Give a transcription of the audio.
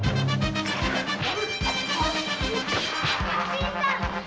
新さん！